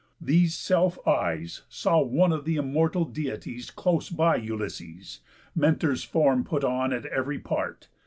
These self eyes Saw one of the immortal Deities Close by Ulysses, Mentor's form put on At ev'ry part.